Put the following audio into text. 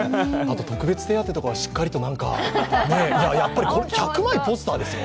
特別手当とかはしっかり、なんか１００枚のポスターですよ？